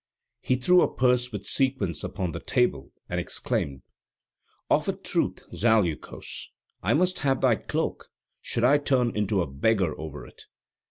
He threw a purse with sequins upon the table, and exclaimed: "Of a truth, Zaleukos, I must have thy cloak, should I turn into a beggar over it!"